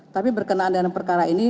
tapi berkenaan dengan perkara ini